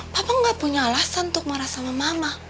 papa nggak punya alasan untuk marah sama mama